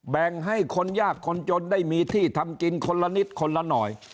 แบ่งให้คนยากคนจนได้มีที่ทำกินคนละนิดคนละหน่อย